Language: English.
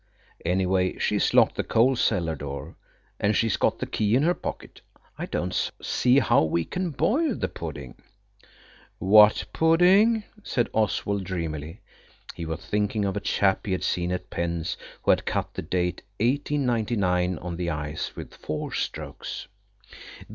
Anyway, she's locked the coal cellar door, and she's got the key in her pocket. I don't see how we can boil the pudding." "What pudding?" said Oswald dreamily. He was thinking of a chap he had seen at Penn's who had cut the date 1899 on the ice with four strokes.